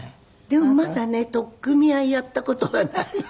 でもまだね取っ組み合いやった事はないんです。